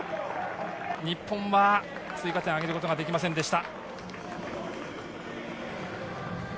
日本は追加点を挙げることはできませんでした。